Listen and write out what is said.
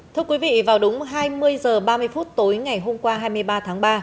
thưa quý vị vào đúng hai mươi h ba mươi phút tối ngày hôm qua hai mươi ba tháng ba